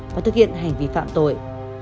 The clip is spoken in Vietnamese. và thực hiện hành vi phạm tội